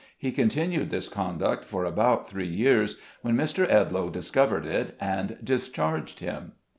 He continued this conduct for about three years, when Mr. Edloe discovered it, and discharged him.